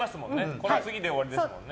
この次で終わりですよね。